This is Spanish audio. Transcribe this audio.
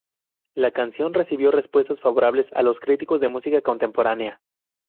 La canción recibió respuestas favorables de los críticos de música contemporánea.